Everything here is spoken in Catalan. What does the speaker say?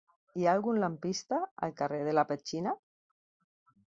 Hi ha algun lampista al carrer de la Petxina?